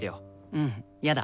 うんやだ。